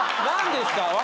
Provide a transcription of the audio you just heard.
何ですか？